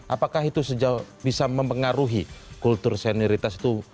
apakah itu sejauh bisa mempengaruhi kultur senioritas itu